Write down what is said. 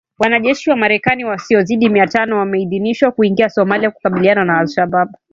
Wanajeshi wa Marekani wasiozidi mia tano wameidhinishwa kuingia Somalia kukabiliana na Al Shabaab